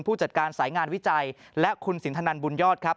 ผู้จัดการสายงานวิจัยและคุณสินทนันบุญยอดครับ